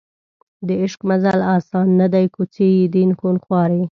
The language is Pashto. د عشق مزل اسان نه دی کوڅې یې دي خونخوارې